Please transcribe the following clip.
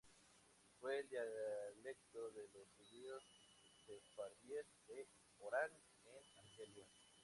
Fue el dialecto de los Judíos sefardíes de Orán, en Argelia.